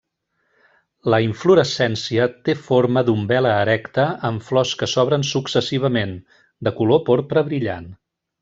La inflorescència té forma d'umbel·la erecta amb flors que s'obren successivament, de color porpra brillant.